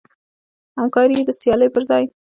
همکاري د سیالۍ پر ځای.